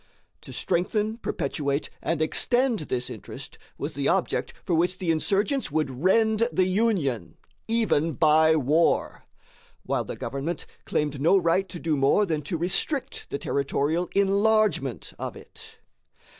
To strengthen, perpetuate, and extend this interest was the object for which the insurgents would rend the Union, even by war; while the government claimed no right to do more than to restrict the territorial enlargement of it.